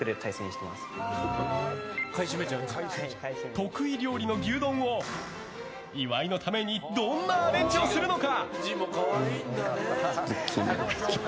得意料理の牛丼を岩井のためにどんなアレンジをするのか？